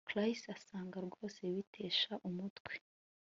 Chris asanga rwose bitesha umutwe